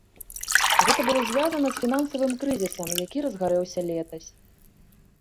Гэта было звязана з фінансавым крызісам, які разгарэўся летась.